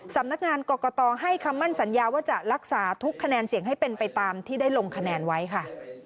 สำนักงานกรกตให้คำมั่นสัญญาว่าจะรักษาทุกคะแนนเสียงให้เป็นไปตามที่ได้ลงคะแนนไว้ค่ะ